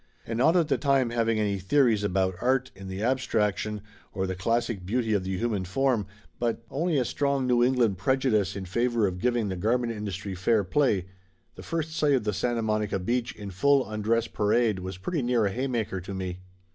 And not at the time having any theories about art in the ab straction, or the classic beauty of the human form, but 92 Laughter Limited only a strong New England prejudice in favor of giving the garment industry fair play, the first sight of the Santa Monica beach in full undress parade was pretty near a haymaker to me.